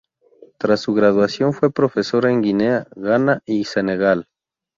Tras su graduación fue profesora en Guinea, Ghana y Senegal.